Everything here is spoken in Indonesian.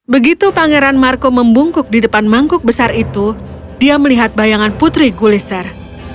begitu pangeran marco membungkuk di depan mangkuk besar itu dia melihat bayangan putri guliser